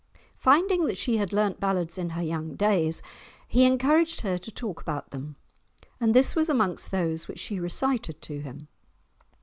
Finding that she had learnt ballads in her young days, he encouraged her to talk about them, and this was amongst those which she recited to him.